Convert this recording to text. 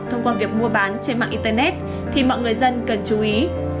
thông qua việc mua bán trên mạng internet thì mọi người dân cần chú ý